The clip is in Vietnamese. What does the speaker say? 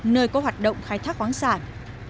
nơi có hoạt động khai thác khoáng sản